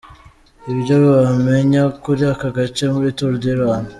Ibyo wamenya kuri aka gace muri Tour du Rwanda:.